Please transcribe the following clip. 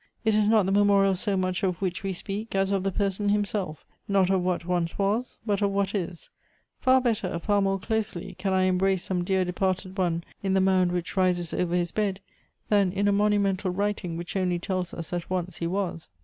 It is not the memorial so much of which we speak, as of the person himself; not of what once was, but of what is. Far better, far more closely, can I cm brace some dear departed one in the mound which rises over his bed, than in a monumental writing which only tells us that once he was.